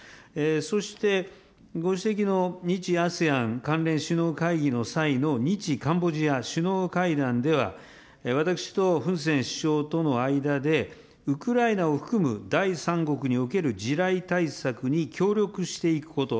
そしてご指摘の日ＡＳＥＡＮ関連首脳会議の際の日カンボジア首脳会談では、私とフンセン首相との間で、ウクライナを含む第三国における地雷対策に協力していくこと。